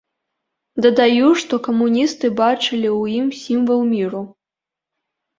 Дадаю, што камуністы бачылі ў ім сімвал міру.